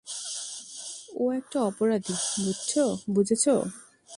ও একটা অপরাধী, বুঝেছো?